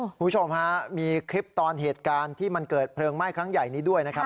คุณผู้ชมฮะมีคลิปตอนเหตุการณ์ที่มันเกิดเพลิงไหม้ครั้งใหญ่นี้ด้วยนะครับ